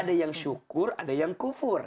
ada yang syukur ada yang kufur